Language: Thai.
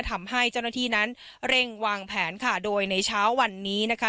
ทำให้เจ้าหน้าที่นั้นเร่งวางแผนค่ะโดยในเช้าวันนี้นะคะ